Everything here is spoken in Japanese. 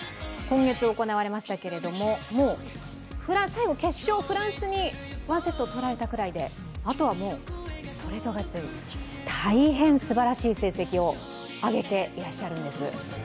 最後、決勝、フランスに１セット取られたくらいであとはストレート勝ちという、大変すばらしい成績を挙げていらっしゃるんです。